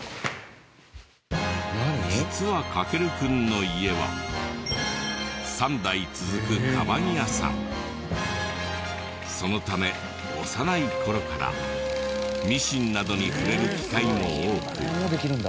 実は翔くんの家はそのため幼い頃からミシンなどに触れる機会も多く。